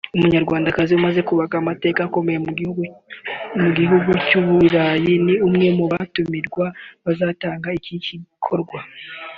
Umunyarwandakazi umaze kubaka amateka akomeye mu bihugu by’u Burayi ni umwe mu batumirwa bazitabira iki gikorwa